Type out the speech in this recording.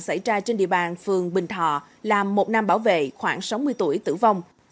xảy ra trên địa bàn phường bình thọ làm một nam bảo vệ khoảng sáu mươi tuổi tử vong